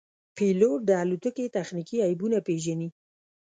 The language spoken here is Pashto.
پیلوټ د الوتکې تخنیکي عیبونه پېژني.